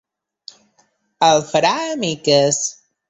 El farà a miques.